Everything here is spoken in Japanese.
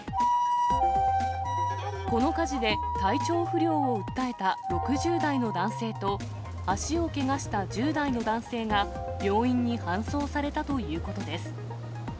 この火事で、体調不良を訴えた６０代の男性と、足をけがした１０代の男性が、病院に搬送されたということです。